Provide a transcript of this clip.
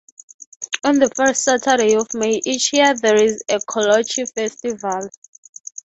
On the first Saturday of May each year there is a 'Kolache Festival'.